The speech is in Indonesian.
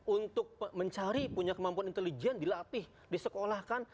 untuk mencari punya kemampuan intelijen dilatih disekolahkan